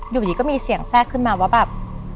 อยู่ดีก็มีเสียงแทรกขึ้นมาว่าแบบ